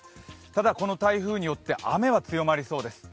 ただ、この台風によって雨は強まりそうです。